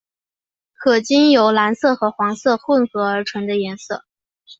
可经由蓝色和黄色混和而成的颜色。